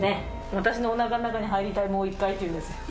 私のおなかの中に入りたい、もう一回っていうんです。